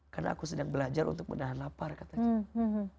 karena aku sedang belajar untuk menahan lapar katanya